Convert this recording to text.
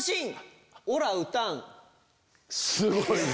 すごいね！